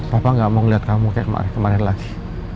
papa ga mau liat kamu kayak kemarin kemarin lagi